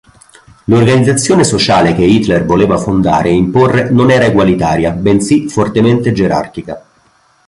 L'organizzazione sociale che Hitler voleva fondare e imporre non era egualitaria bensì fortemente gerarchica.